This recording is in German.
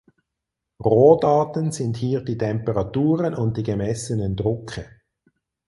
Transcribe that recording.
Rohdaten sind hier die Temperaturen und die gemessenen Drucke.